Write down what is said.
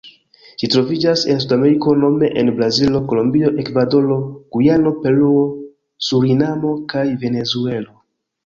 Ĝi troviĝas en Sudameriko nome en Brazilo, Kolombio, Ekvadoro, Gujano, Peruo, Surinamo kaj Venezuelo.